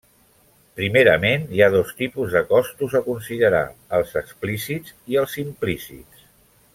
Primerament, hi ha dos tipus de costos a considerar: els explícits i els implícits.